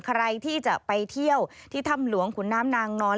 ใครที่จะไปเที่ยวที่ถ้ำหลวงขุนน้ำนางนอน